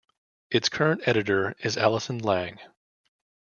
Its current editor is Alison Lang.